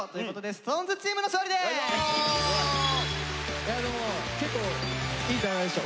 いやでも結構いい戦いでした。